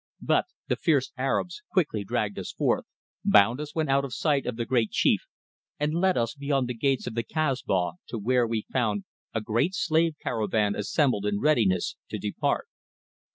But the fierce Arabs quickly dragged us forth, bound us when out of sight of the great chief, and led us beyond the gates of the Kasbah to where we found a great slave caravan assembled in readiness to depart.